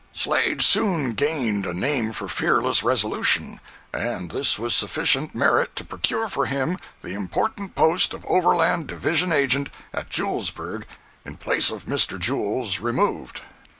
081.jpg (55K) Slade soon gained a name for fearless resolution, and this was sufficient merit to procure for him the important post of overland division agent at Julesburg, in place of Mr. Jules, removed.